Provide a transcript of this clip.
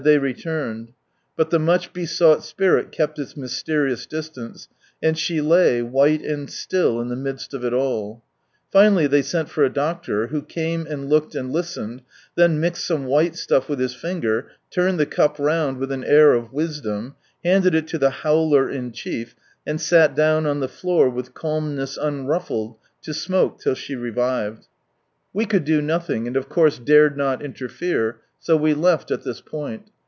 It ' senses, or them out of her, had ihey returned, its mysterious distance, and she lay, wliite and stiil, in the midst of it alU Finally, they sent for a doctor, who came and looked, and listened, then mixed some white stuff, with his finger, turned the cup round with an air of wisdom, handed it lo the howler in chief, and sat down on the floor with calmness unruffled, to smoke till she revived. We could do nothing, and of course dared not interfere, so we left at this point.